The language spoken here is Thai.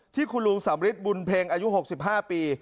ที่คุณลุงสำริทบุญเพ็งอายุ๖๕ปี